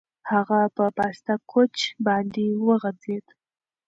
هغه په پاسته کوچ باندې وغځېد.